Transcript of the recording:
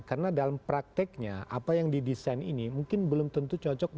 karena dalam prakteknya apa yang didesain ini mungkin belum tentu cocoknya